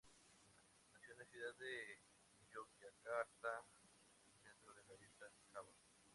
Nació en la ciudad de Yogyakarta, en el centro de la isla de Java.